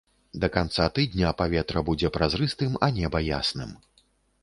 Да канца тыдня паветра будзе празрыстым, а неба ясным.